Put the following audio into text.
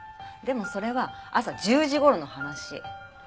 でもそれは朝１０時頃の話。